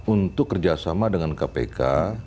untuk kerjasama dengan kpk